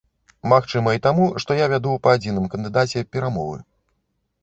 Магчыма і таму, што я вяду па адзіным кандыдаце перамовы.